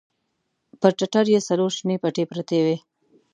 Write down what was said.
پر ټټر يې څلور شنې پټې پرتې وې.